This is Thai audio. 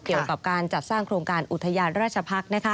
เกี่ยวกับการจัดสร้างโครงการอุทยานราชพักษ์